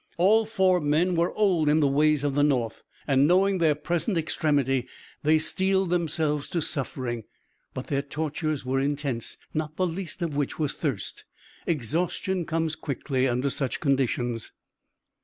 All four men were old in the ways of the North, and, knowing their present extremity, they steeled themselves to suffering, but their tortures were intense, not the least of which was thirst. Exhaustion comes quickly under such conditions.